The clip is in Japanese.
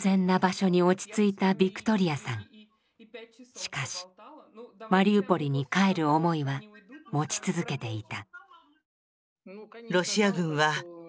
しかしマリウポリに帰る思いは持ち続けていた。